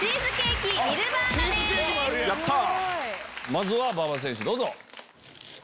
まずは馬場選手どうぞ。